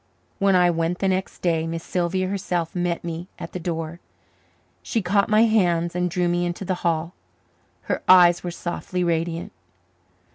When I went the next day Miss Sylvia herself met me at the door. She caught my hand and drew me into the hall. Her eyes were softly radiant.